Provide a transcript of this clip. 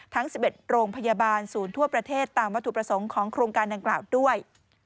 ทั้ง๑๑โรงพยาบาลศูนย์ทั่วประเทศตามวัตถุประสงค์ของโครงการดังกล่าวด้วย